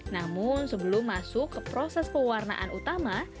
namun sebelum masuk ke proses pewarnaan utama